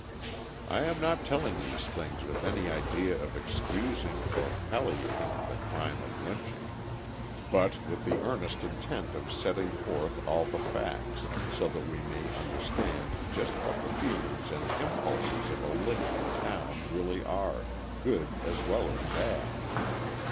I am not telling these things with any idea of excusing or palliating the crime of lynching, but with the earnest intent of setting forth all the facts, so that we may understand just what the feelings and impulses of a lynching town really are, good as well as bad.